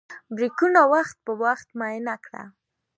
بریکونه وخت په وخت معاینه کړه.